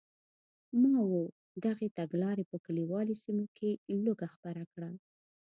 ماوو دغې تګلارې په کلیوالي سیمو کې لوږه خپره کړه.